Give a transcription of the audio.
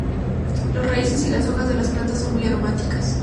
Las raíces y las hojas de la planta son muy aromáticas.